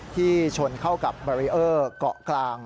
ที่ชนเข้ากับบารีเออร์เกาะกลาง